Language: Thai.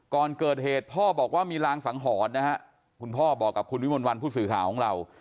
ก่อนเกิดเหตุพ่อบอกว่ามีรางสังหรณ์นะฮะคุณพ่อบอกกับคุณวิมลวันผู้สื่อข่าวของเรา